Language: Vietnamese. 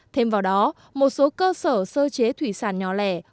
thêm vào đó một số cơ sở sơ chế thủy sản nhỏ lẻ